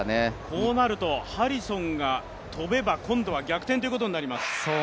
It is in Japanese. こうなるとハリソンが跳べば、今度は逆転ということになります。